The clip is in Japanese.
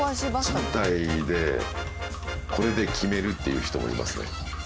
賃貸でこれで決めるっていう人もいますね。